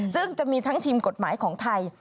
ซึ่งจะมีทั้งทีมกฎหมายของไทย